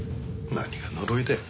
何が呪いだよ。